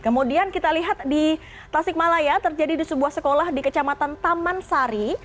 kemudian kita lihat di tasikmalaya terjadi di sebuah sekolah di kecamatan taman sari